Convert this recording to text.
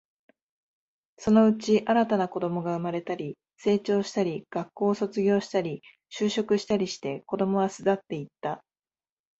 そのうち、新たな子供が生まれたり、成長したり、学校を卒業したり、就職したりして、子供は巣立っていった